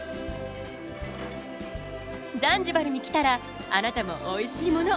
ザンジバルに来たらあなたもおいしいもの